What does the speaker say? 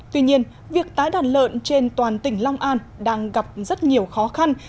tuy nhiên việc tái đàn lợn trên toàn tỉnh long an đang gặp rất nhiều khó khăn